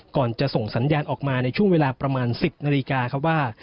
ก่อนจะส่งสัญญาณออกมาในช่วงเวลาประมาณ๑๐นาฬิกาครับว่า